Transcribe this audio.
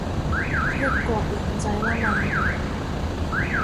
一國兩制喇嘛